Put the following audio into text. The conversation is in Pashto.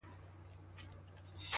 وخت د ژمنو رښتینولي ثابتوي!